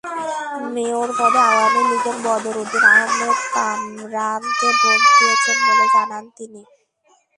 Mayor পদে আওয়ামী লীগের বদরউদ্দিন আহমদ কামরানকে ভোট দিয়েছেন বলে জানান তিনি।